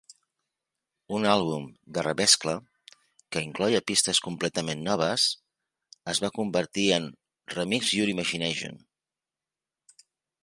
Un àlbum de "remescla", que incloïa pistes completament noves, es va convertir en "Remix Your Imagination".